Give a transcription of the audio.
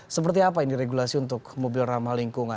seperti apa ini regulasi untuk mobil ramah lingkungan